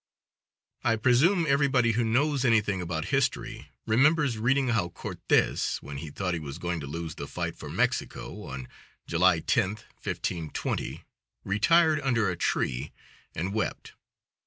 I presume everybody who knows anything about history remembers reading how Cortez, when he thought he was going to lose the fight for Mexico, on July 10th, 1520, retired under a tree and wept.